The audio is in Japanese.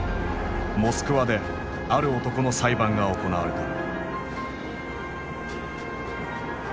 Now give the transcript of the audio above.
モスクワである男の裁判が行われた。